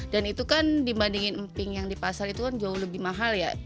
dan itu kan dibandingin emping yang dipasar itu kan jauh lebih mahal ya